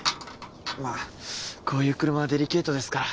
まあこういう車はデリケートですから。